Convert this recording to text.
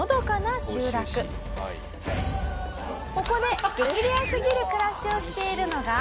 ここで激レアすぎる暮らしをしているのが。